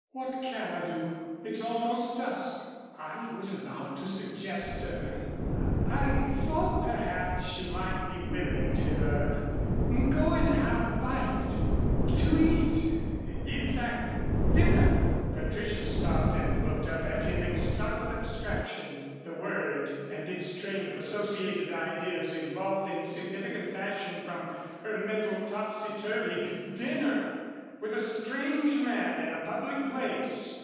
"What can I do? It's almost dusk." "I was about to suggest er I thought perhaps you might be willing to er go and have a bite to eat in fact, dinner." Patricia stopped and looked up at him in startled abstraction. The word and its train of associated ideas evolved in significant fashion from her mental topsy turvy. Dinner! With a strange man in a public place!